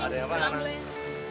be balik semua deh be